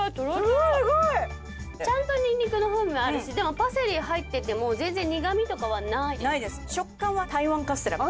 すごいちゃんとニンニクの風味もあるしでもパセリ入ってても全然苦みとかはないないです